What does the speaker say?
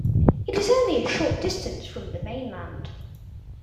It is only a short distance from the mainland.